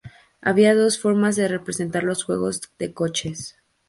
Había dos formas de representar los juegos de coches.